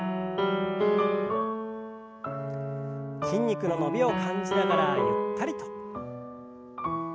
筋肉の伸びを感じながらゆったりと。